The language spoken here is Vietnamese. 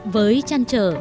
với chăn trở